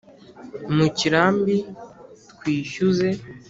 Mu kirambi twishyuze